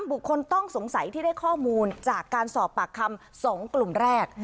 บุคคลต้องสงสัยที่ได้ข้อมูลจากการสอบปากคำ๒กลุ่มแรก